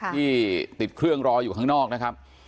ที่ติดเครื่องรออยู่ข้างนอกนะครับ